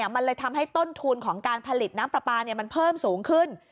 มันเลยทำให้ต้นทุนของการผลิตน้ำปลาปลามันเพิ่มสูงขึ้น